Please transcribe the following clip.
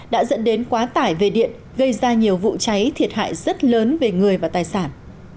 đã dẫn đến quá tải về điện gây ra nhiều vụ cháy thiệt hại rất lớn về người và tài sản